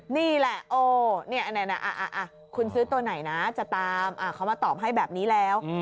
นี่แหละโอ้นี่คุณซื้อตัวไหนนะจะตามเขามาตอบให้แบบนี้แล้ว